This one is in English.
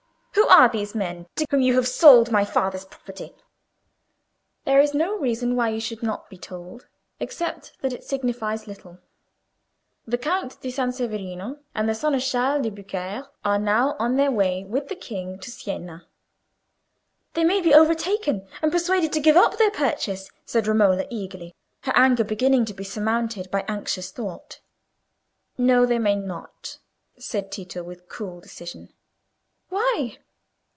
Who are these men to whom you have sold my father's property?" "There is no reason why you should not be told, except that it signifies little. The Count di San Severino and the Seneschal de Beaucaire are now on their way with the king to Siena." "They may be overtaken and persuaded to give up their purchase," said Romola, eagerly, her anger beginning to be surmounted by anxious thought. "No, they may not," said Tito, with cool decision. "Why?"